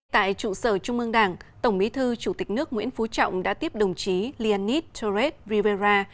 tại trụ sở trung ương đảng tổng bí thư chủ tịch nước nguyễn phú trọng đã tiếp đồng chí lianis torres rivera